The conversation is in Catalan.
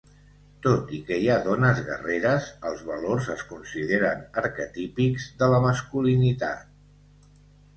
Tot i que hi ha dones guerreres, els valors es consideren arquetípics de la masculinitat.